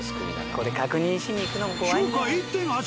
これ確認しに行くのも怖いよ。